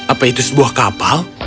apa itu sebuah kapal